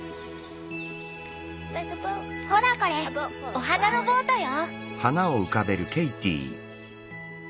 ほらこれお花のボートよ！